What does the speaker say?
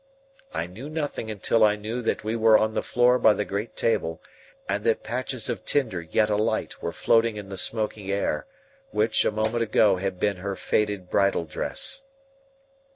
I knew nothing until I knew that we were on the floor by the great table, and that patches of tinder yet alight were floating in the smoky air, which, a moment ago, had been her faded bridal dress.